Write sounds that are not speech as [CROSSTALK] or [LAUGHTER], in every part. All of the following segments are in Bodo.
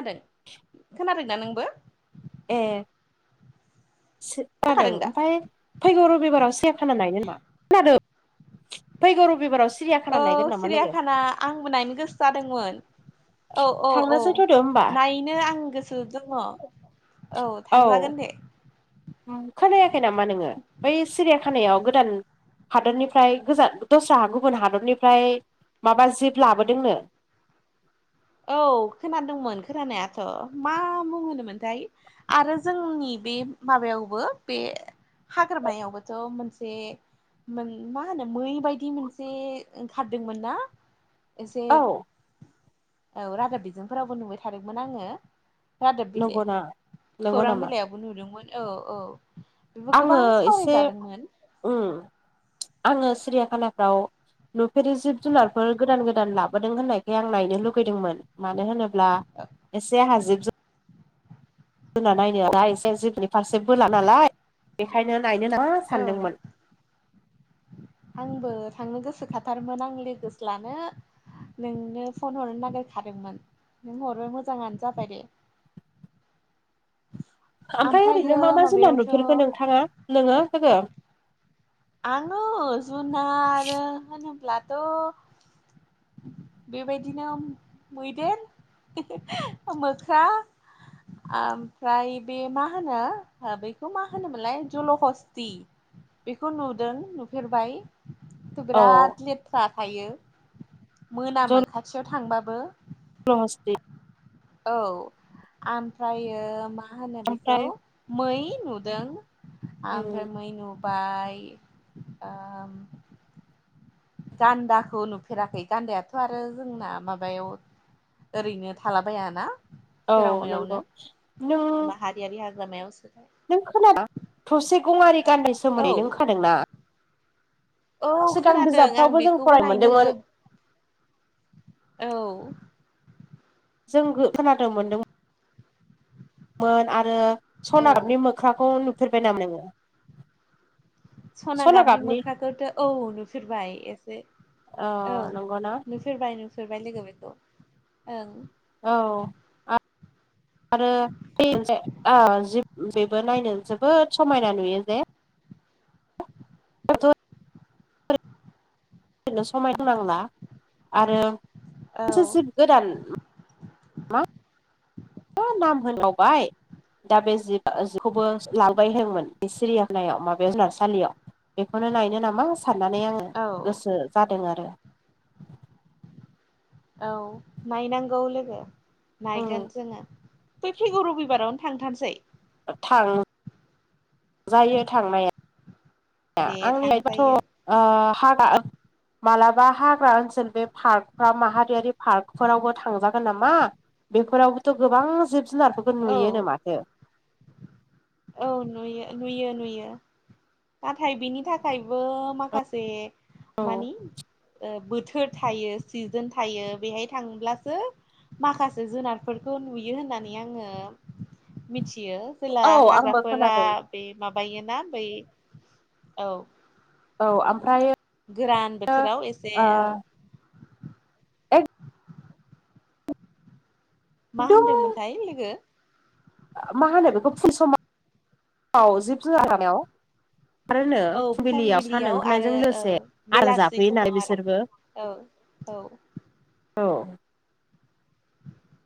खोनादों खोनादोंना नोंबो ए खोनादों खोनाखादों दा ओमफ्राय फैगौ रबिबाराव से खोनादों हनायनो नामा खोनादों फैगौ रबिबाराव औ सिरियाखाना नायगोन नामा लोगो सिरियाखाना आंबो नायनो गोसो जादोंमोन औ-औ-औ थांनोसै थ'दो होमबा नाय नो आं गोसो दङ औ औ थांजागोन दे खोनायाखै नामा नोङो बै सिरिया खानायाव गोदान हादरनिफ्राय गोजान दस्रा गुबुन हादरनिफ्राय माबा जिब लाबोदोंनो औ खोनादोंमोन खोनानायाथ' मा मुं होनो मोनथाय आरो जोंनि बे माबायावबो बे हाग्रामायावबोथ' मोनसे मोन मा होनो मै बायदि मोनसे ओंखारदोंमोन ना एसे औ औ रादाब बिजोंफोरावबो नुबाय थादोंमोन आङो रादाब बिलाइ नंगौना नंगौ खौरां नामा बिलाइयाव नुदोंमोन औ-औ बेबो आङो गोबां सावराय एसे जादोंमोन उम आङो सिरियाखानाफ्राव नुफेरि जिब जुनारफोर गोदान गोदान लाबोदों होननायखाय आं नायनो लुगैदोंमोन मानो होनोब्ला एसे आंहा जिब जु जोंना नायनायालाय एसे जिबनि फारसे बोला नालाय बेखायनो नायनो नामा ओं सानदोंमोन आंबो थांनो गोसोखथारमोन आं लोगोसो लानो नोंनो फन हरनो नागिरखादोंमोन नों हरबाय मोजाङानो जाबाय दे [INAUDIBLE] ओमफ्राय ओरैनो ओमफ्रायो मा मा जुनार माबायावथ' नुफेरखो नोंथाङा नोङो लोगो आङो जुनार होनोब्लाथ' बेबायदिनो मैदेर मोख्रा ओमफ्राय बे मा होनो बेखौ मा होनोमोनलाय जल' हस्ति खौ नुदों नुफेरबाय' औ बिराद लेट थ्रा थायो मोनामो जल खाथियाव थांबाबो [UNINTELLIGIBLE] औ आमफ्रायो मा होनो बेखौ ओमफ्राय मै नुदों ओमफ्राय मै नुबाय गान्दाखौ नुफेराखै गान्दायाथ' आरो जोंना माबायाव ओरैनो थालाबायाना औ सेराव नंगौ नों मेरावनो माहा यारि हाग्रायावसो नों खोनादोंना थसे गंआरि गानदानि औ सोमोनदै नों खोनादों ना औ खोनादों आं बिजाबफ्रावबो जों बेखौबो फरायनो नायनो मोनदोंमोन जोब औ जों खोनादों मोनदों मोन आरो औ सना गाबनि मोख्राखौ नुफेरबाय नामा नोङो सना गाबनि मोख्राखौथ' औ नुफेरबाय एसे अ औ नंगौना नुफेरबाय नुफेरबाय लोगो बेखौ ओं औ आरो बै मोनसे जिब बेबो नायनो जोबोद समायना नुयो जे ओरैनो बिदिनो समाय होनो नांला आरो मोनसे ओं जि गोदान मा नाम होनो बावबाय दा बे जि जिबखौबो लांबाय होनदोंमोन बे सिरियाखानायाव माबायाव जुनारसालियाव बेखौनो नायनो नामा साननानै आङो औ गोसो जादों आरो औ नायनांगौ लोगो नायगोन जोङो फै फैगौ रबिबारावनो थांथारसै थां जायो थांनाया दे आंनि थांजायो लाइफाथ' हाग्रा मालाबा हाग्रा ओनसोल बे पार्काव माहारियारि पार्कफोरावबो थांजागोन नामा बेफोरावबोथ' गोबां जिब जुनारफोरखौ औ नुयोनो माथो औ नुयो नुयो नुयो नाथाय बेनि थाखाय थाखायबो माखासे औ मानि ओ बोथोर थायो सिजोन थायो बेहाय थांब्लासो माखासे जुनारफोरखौ नुयो होननानै आङो मिथियो जेला औ आंबो हाग्राफोरा खोनादों बे माबायोना बै औ औ ओमफ्रायो गोरान बोथोराव एसे एक [UNINTELLIGIBLE] मा एकदम होनदोंमोनथाय लोगो मा होनो बेखौ फु समाव [UNINTELLIGIBLE] जिब जुनार गामायाव [UNINTELLIGIBLE] ओंखारोनो औ फुंबिलियाव सान आरो ओंखारायजों औ लोगोसे आदार बेलासि जाफैयो नालाय समाव आरो बिसोरबो औ औ औ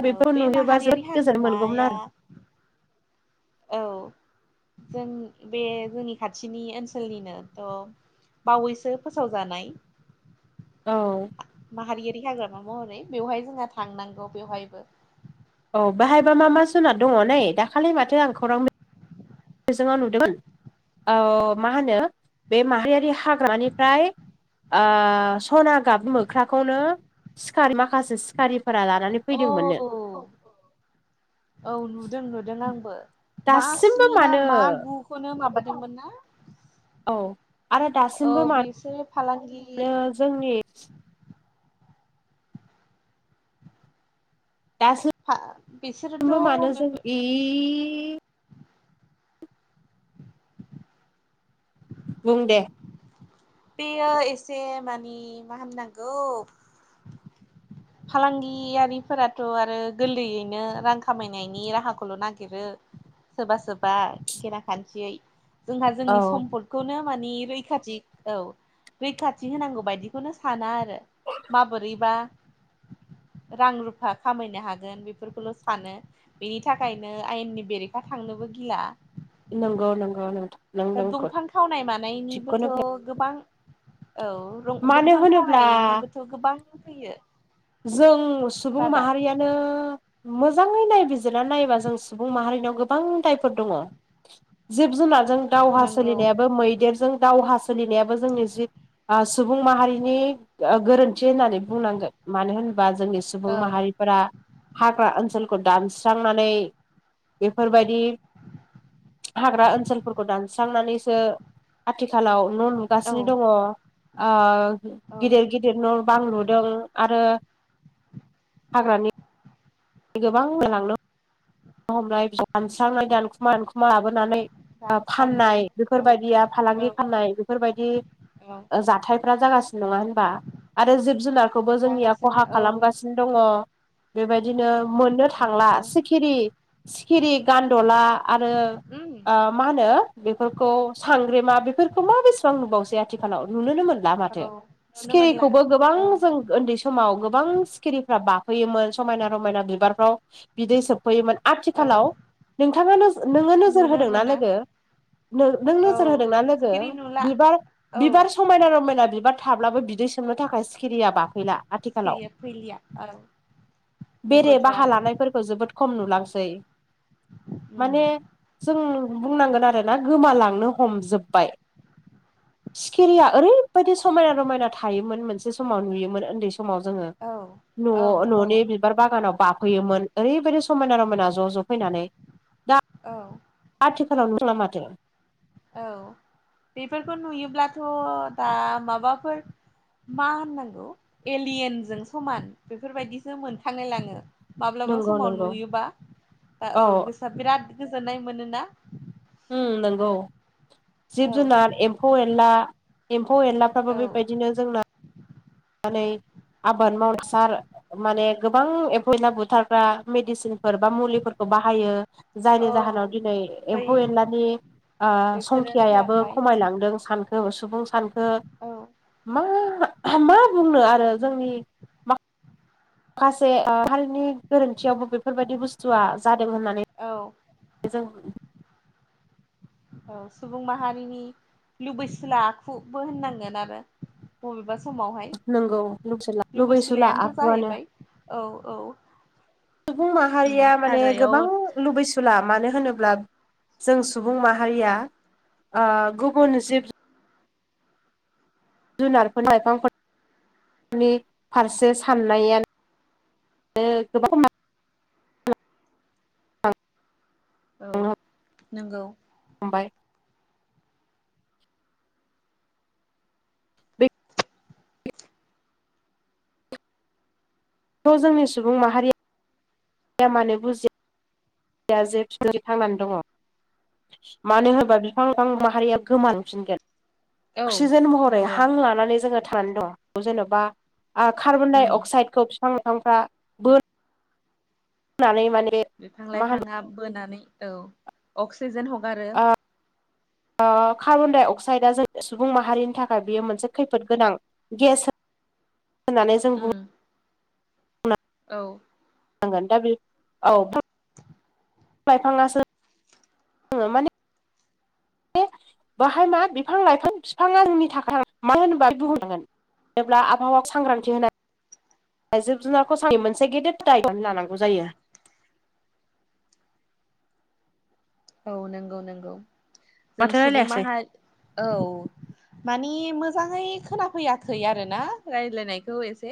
औ बेफोराव बे नुयोबा माहारियारि जोबोद गोजोन मोनगौमोन हाग्रामाया आरो औ जों बे जोंनि खाथिनि ओनसोलनिनोथ' बावैसो फोसावजानाय औ माहारियारि हाग्रामा महरै बेवहाय जोंहा थांनांगौ बेवहायबो औ बाहायबा मा मा जुनार दङ नै दाखालि माथो आं खौरां बि बिजोङाव नुदोंमोन औ मा होनो बे माहारियारि हाग्रामानिफ्राय आ सना गाब मोख्राखौनो सिखारि माखासे सिखारिफोरा लानानै औ फैदोंमोननो औ नुदों नुदों आंबो मा दासिमबो स्नि ना मानो मा गुखौनो माबादोंमोन ना औ आरो औ दासिमबो मानो बिसोरो फालांगि जोंनि दासोमबो [UNINTELLIGIBLE] मानो बिसोरोथ' जोंनि बुं दे बेयो एसे मानि मा होननांगौ फालांगियारिफोराथ' आरो गोरलैयैनो रां खामायनायनि राहाखौल' नागिरो सोबा सोबा गेना खान्थियै जोंहा औ जोंनि सम्पद खौनो मानिे रैखाथि औ रैखाथि होनांगौ बायदिखौनो साना आरो माबोरैबा रां रुफा खामायनो हागोन बेफोरखौल' सानो बेनि थाखायनो आयेननि बेरेखा थांनोबो गिला नोंगौ नोंगौ नोंथां नों नोंखौ दंफां खावनाय मानायनिबोथ' थिगखौनो बुं गोबां औ रं मानो दंफां होनोब्ला खावनायनिबोथ' गोबां फैयो जों सुबुं रादाब माहारिया नो मोजाङै नायबिजिरनानै नायोबा जों सुबुं माहारिनियाव गोबां दायफोर दङ' जिब-जुनारजों दावहा नंगौ सोलिनायाबो मैदेरजों दावहा सोलिनायाबो जोंनि जि आस सुबुं माहारिनि गोरोन्थि होननानै बुंनांगोन मानो होनोबा जोंनि सुबुं औ माहारि फोरा हाग्रा ओनसोलखौ दानस्रांनानै बेफोरबायदि हाग्रा ओनसोलफोरखौ दानस्रांनानैसो आथिखालाव न' औ लुगासिनो दङ' ओ औ गिदेर गिदेर न' बां लुदों आरो हाग्रानि गोबां लांदों हमनाय बि दानस्रांनाय दानखुमा दानखुमा लाबो [UNINTELLIGIBLE] नानै फाननाय रानस्रांदों औ बेफोरबायदिया औ फालांगि फानाय बेफोरबायदि औ ओ जाथायफ्रा जागासिनो नङा होनबा आरो जिब -जुनारखौबो जोंनिया जागासिनो ख'हा औ खालामगासिनो दङ' बेबायदिनो मोननो थांला नंगौ सिखिरि सिखिरि, गान्द'ला आरो ओम ओ मा होनो बेफोरखौ सांग्रेमा बेफोरखौ मा बेसेबां नुबावसै आथिखाल खालाव नुनोनो मोनला माथो औ नुनो मोनला सिखिरिखौबो गोबां औ जों ओन्दै समाव गोबां सिखिरिफ्रा बाफैयोमोन समायना-रमायना बिबारफ्राव बिदै सोबफैयोमोन औ आथिखालाव नोंथाङानो नोङो नोजोर नुनो होदोंना मोना लोगो नो नों औ नोजोर होदोंना लोगो सिखिरि नुला बिबार औ बिबार समायना-रमायना बिबार थाब्लाबो बिदै सोबनो थाखाय सिखिरिया बाफैला आथिखालाव सिखिरिया फैलिया औ बेरे नंगौथ' बाहा आरो लानायफोरखौ जोबोद खम नुलांसै उम माने जों बुंनांगोन आरोना गोमालांनो हमजोबबाय सिखिरिया ओरैबायदि समायना-रमायना थायोमोन मोनसे समाव नुयोमोन ओन्दै सम समाव जोङो औ औ न' औ न'नि बि बिबार बागानाव बाफैयोमोन ओरैबायदि समायना-रमायना ज' ज' फैनानै दा औ आथिखालाव नुनो थांला माथो औ बेफोरखौ नुयोब्लाथ' दा माबाफोर मा होननांगौ एलियेनजों समान बेफोरबायदिसो मोनखांलाय लाङो माब्लाबा नंगौ समाव नंगौ नुयोबा आ औ गोसोआ बिराद गोजोननाय मोनोना ओम नोंगौ औ जिब-जुनार एम्फौ-एनला, एम्फौ-एनला फ्राबो औ बेबायदिनो जोंना [UNINTELLIGIBLE] आबाद माव हासार माने गोबां एमफौ-एनला बुथारग्रा मेडिसिनफोर बा मुलिफोरखौ बाहायो जायनि औ जाहोनाव दिनै बै एम्फौ-एनलानि ओ बिसोरो संखियायाबो थैलांबाय खमायलांदों सानखो सुबुं सानखो औ मा मा बुंनो आरो जोंनि खासे हारिनि गोरोन्थियावबो बेफोरबायदि बुस्थुआ जादों होननानै औ जों औ सुबुं माहारिनि लुबैसुला आखुबो होननांगोन आरो। बबेबा समावहाय नंगौ लुबैसुला लुबैसलायानोथ' आखुआनो जाहैबाय औ औ सुबुं उम माहारिया माने हाग्रायाव गोबां लुबै ला मानो होनोब्ला जों सुबुं माहारिया ओ गुबुन जिब जुनारफोर लाइफांफोरनि फारसे साननायानो गोबां [UNINTELLIGIBLE] औ नंगौ ओमबाय [INAUDIBLE] थ' जोंनि सुबुं माहारिया मानो बुजि दहा जे फिफांजों थांनानै दङ मानो होनोबा बिफां लाफां माहारिया गोमा फिनगोन औ अक्सिजेन महरै नंगौ हां लानानै जोङो थानानै दं जेन'बा कार्बन उम डाइ अक्साइदखौ बिफां लाइफांफ्रा नै माने बिफां मा होनो लाइफाङा बोनानै औ अक्सिजेन हगारो कार्बनडाइ अक्साइदआ ज सुबुं माहारिनि थाखाय बेयो मोनसे खैफोद गोनां गेस होननानै जों उम बुं औ नांगोन दा बे औ [INAUDIBLE] लाइफाङासो माने बे बाहाय मा बिफां लाइफां बिफाङा जोंनि थाखाय मा होनोबा बुंहनांगोन जेब्ला आबहावायाव सांग्रांथि होनाय थ जिब जुनारखौ आंनि मोनसे गेदेर दाय लानांगौ जायो औ नंगौ नंगौ जों माथो सुबुं रायलायासै माहारिनि औ मानि मोजाङै खोनाफैयाखै आरो ना रायज्लायनायखौ एसे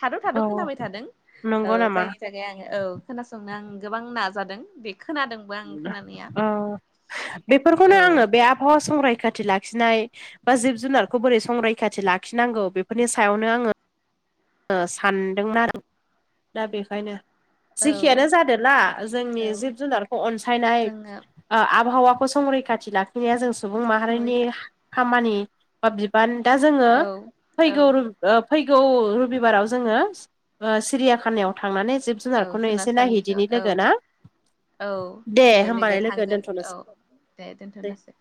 थाद' थाद' खोनाबाय थादों नंगौ नामा जायनि थाखाय आं औ खोनासंनो आं गोबां नाजादों बे खोनादों अ औ बेफोरखौनो आङो बे आबहावा संरैखाथि लाखि लाखिनाय बा जिब जुनारखौ बोरै संरैखाथि लाखिनांगौ बेफोरनि सायावनो आङो सानदोंमोन आरो दा बेखायनो औ जेखियानो जादों ना जोंनि औ जिब जुनारखौ अनसायनाय जोङो आबहावाखौ संरैखाथि लाखिनाया जों सुबुं माहारिनि संरैखा खामानि बा बिबान दा जोङो ओ औ औ फैगौ फैगौ जोङो ओ सिरियाखानायाव थांनानै औ जुनारखौनो एसे जुनारसालिखौ नायहैदिनि औ लोगो ना औ दे लोगो थांगोन औ दे दोनथ'नोसै